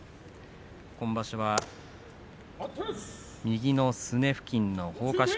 今場所は右のすね付近のほうか織